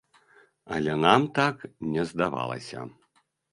Але нам так не здавалася.